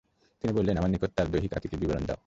তিনি বললেন, আমার নিকট তার দৈহিক আকৃতির বিবরণ দাও।